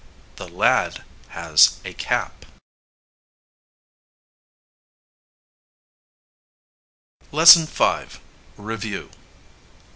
The lad has a cap. LESSON V. REVIEW.